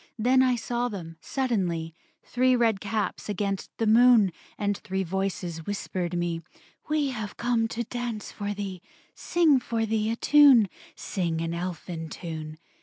Then I saw them; suddenly; Three red caps against the moon; And three voices whispered me, "We have come to dance for thee, Sing for thee a tune, Sing an elfin tune."